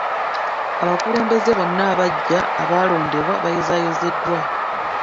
Abakulembeze bonna abagya abalondebwa bayozayozeddwa.